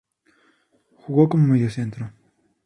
Jugó como mediocentro.